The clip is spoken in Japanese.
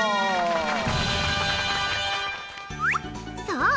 そう！